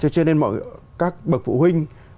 cho nên mọi các bậc phụ huynh